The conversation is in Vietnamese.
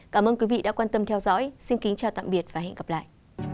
cảm ơn quý vị đã quan tâm theo dõi xin kính chào tạm biệt và hẹn gặp lại